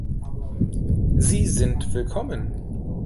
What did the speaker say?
Sie sind willkommen!